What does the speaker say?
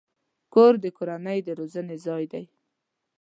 کور د کورنۍ د روزنې ځای دی.